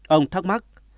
ông thắc mắc